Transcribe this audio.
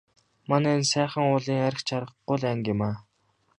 Манай энэ Сайхан уулын айраг ч аргагүй л анги юмаа.